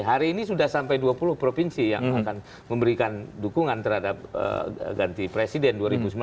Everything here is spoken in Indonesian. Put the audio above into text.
hari ini sudah sampai dua puluh provinsi yang akan memberikan dukungan terhadap ganti presiden dua ribu sembilan belas